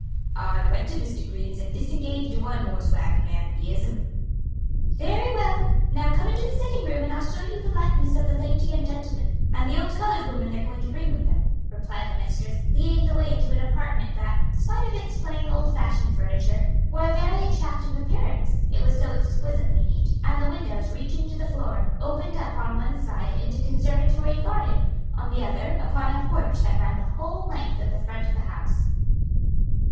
"I went to Mr. Grinn's and disengaged de one horse wagon, ma'am; yes'm." "Very well. Now come into the sitting room and I'll show you the likenesses of the lady and gentleman, and the old colored woman they're going to bring with them," replied the mistress, leading the way into an apartment that, spite of its plain, old fashioned furniture, wore a very attractive appearance, it was so exquisitely neat; and the windows, reaching to the floor, opened upon one side into conservatory and garden, on the other upon a porch that ran the whole length of the front of the house.